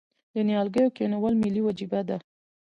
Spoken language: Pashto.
د نیالګیو کینول ملي وجیبه ده؟